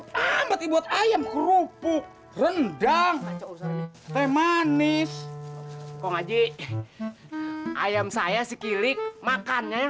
rumput ayam kerupuk rendang teh manis ngaji ayam saya si kilik makannya